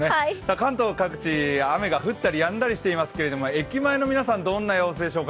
関東各地、雨が降ったりやんだりしていますけれども、駅前の皆さん、どんな様子でしょうか。